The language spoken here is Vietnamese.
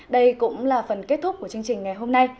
đây cũng là phần kết thúc của chương trình ngày hôm nay